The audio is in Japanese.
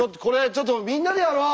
ちょっとみんなでやろう！